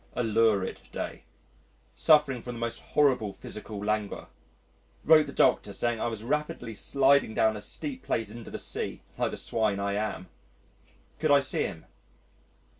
A lurid day. Suffering from the most horrible physical languor. Wrote the Doctor saying I was rapidly sliding down a steep place into the sea (like the swine I am). Could I see him?